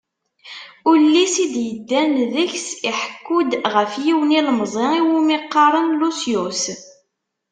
Ullis i d-yeddan deg-s iḥekku-d ɣef yiwen ilemẓi iwumi qqaren Lusyus.